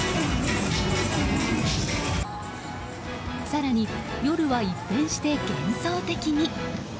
更に、夜は一変して幻想的に。